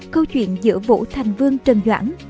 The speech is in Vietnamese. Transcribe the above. câu chuyện giữa vụ thành vương trần doãn